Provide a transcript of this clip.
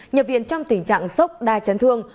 nhập viện trong tình trạng sốc đa chấn thương